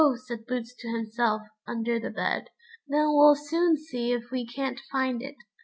said Boots to himself under the bed, "then we'll soon see if we can't find it."